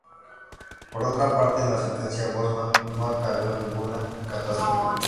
Por otra parte, la sentencia Bosman no acarreó ninguna catástrofe.